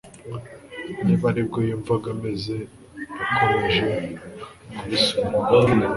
Niba aribwo yumvaga ameze yakomeje kubisubiramo